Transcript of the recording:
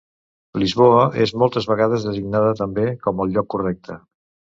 Lisboa és moltes vegades designada també com el lloc correcte.